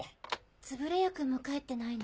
円谷くんも帰ってないの？